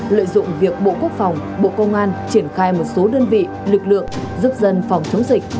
lợi dụng việc bộ quốc phòng bộ công an triển khai một số đơn vị lực lượng giúp dân phòng chống dịch